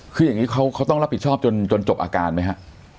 คืออย่างนี้เขาต้องรับผิดชอบจนจบอาการไหมฮะ